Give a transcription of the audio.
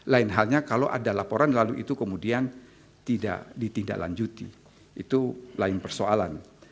lain halnya kalau ada laporan lalu itu kemudian tidak ditindaklanjuti itu lain persoalan